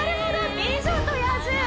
「美女と野獣」